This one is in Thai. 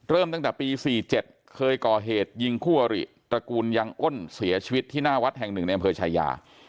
เริ่มตั้งแต่ปี๔๗เคยก่อเหตุยิงคู่อริตระกูลยังอ้นเสียชีวิตที่หน้าวัดแห่งหนึ่งในอำเภอชายา